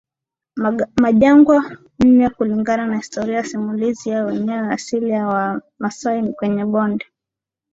majangwa NneKulingana na historia simulizi yao wenyewe asili ya Wamasai ni kwenye bonde